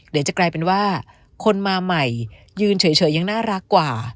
เดี๋ยวจะกลายเป็นว่าคนมาใหม่ยืนเฉยยังน่ารักกว่า